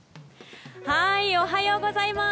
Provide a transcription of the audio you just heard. おはようございます。